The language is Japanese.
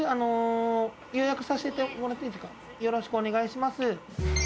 よろしくお願いします。